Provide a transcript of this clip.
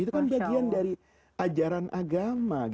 itu kan bagian dari ajaran agama